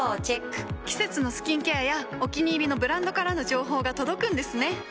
季節のスキンケアやお気に入りのブランドからの情報が届くんですね。